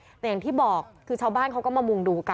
แต่อย่างที่บอกคือชาวบ้านเขาก็มามุงดูกัน